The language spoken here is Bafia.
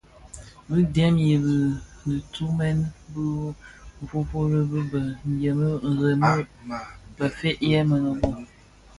Bi dèm bi dhi tumèn bë fuufuli bë dhemi remi bëfëëg yè mënōbō.